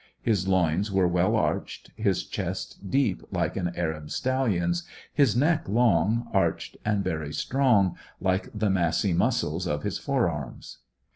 His loins were well arched, his chest deep, like an Arab stallion's, his neck long, arched, and very strong, like the massy muscles of his fore arms.